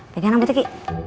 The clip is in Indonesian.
pegang rambutnya ki